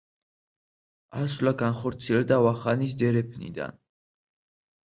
ასვლა განხორციელდა ვახანის დერეფნიდან.